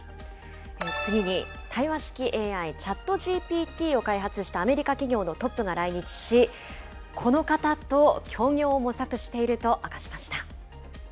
次に、対話式ＡＩ、ＣｈａｔＧＰＴを開発したアメリカ企業のトップが来日し、この方と協業を模索していると明かしました。